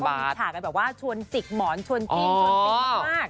มีฉากแบบว่าชวนสิกหมอนชวนทิ้งชวนทิ้งมาก